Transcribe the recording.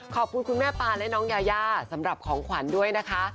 ขอบคุณคุณแม่ปานและน้องยายาสำหรับของขวัญด้วยนะคะ